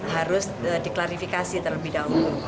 harus diklarifikasi terlebih dahulu